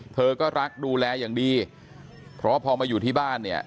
เธอก็รักดูแลอย่างดีเพราะพอมาอยู่ที่บ้านเนี่ย